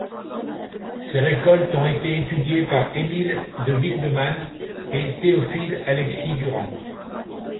Ses récoltes ont été étudiées par Émile De Wildeman et Théophile Alexis Durand.